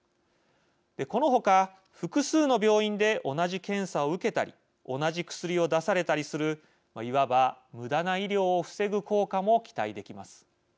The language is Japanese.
この他複数の病院で同じ検査を受けたり同じ薬を出されたりするいわばむだな医療を防ぐ効果も期待できます。